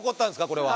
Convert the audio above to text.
これは。